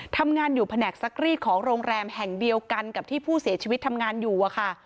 ทำงานอยู่แผนกซักรีดของโรงแรมแห่งเดียวกันกับที่ผู้เสียชีวิตทำงานอยู่อะค่ะ